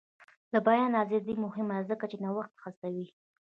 د بیان ازادي مهمه ده ځکه چې نوښت هڅوي.